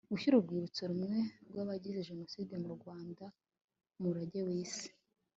gushyira urwibuso rumwe rw'abazize jenoside mu rwanda mu murage w'isi